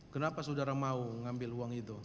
kenapa saudara mau ngambil uang itu